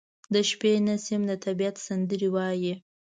• د شپې نسیم د طبیعت سندرې وايي.